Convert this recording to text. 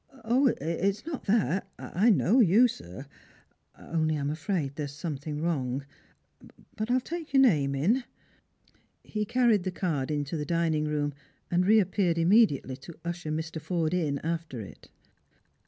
" Oh, it's not that — I know you, sir, only I'm afraid there's something wroag. But I'll take your name in." He carried the card into the dining room, and reappeared im mediately to usher Mr. Forde in after it.